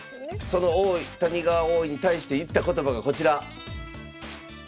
その谷川王位に対して言った言葉がこちら。